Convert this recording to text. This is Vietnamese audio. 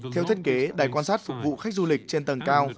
theo thiết kế đài quan sát phục vụ khách du lịch trên tầng cao